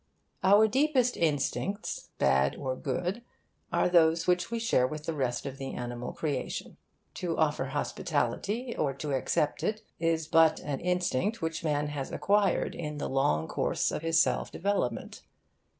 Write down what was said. Our deepest instincts, bad or good, are those which we share with the rest of the animal creation. To offer hospitality, or to accept it, is but an instinct which man has acquired in the long course of his self development.